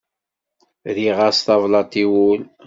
Rriɣ-as tablaḍt i wul.